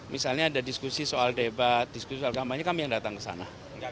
misalnya ada diskusi soal debat diskusi soal kampanye kami yang datang ke sana